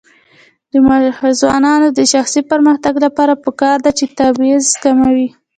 د ځوانانو د شخصي پرمختګ لپاره پکار ده چې تبعیض کموي.